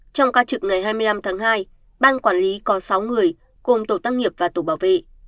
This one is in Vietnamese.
trong ca trực ngày hai mươi năm tháng hai ban quản lý có sáu người gồm tổ tăng nghiệp và tổ bảo vệ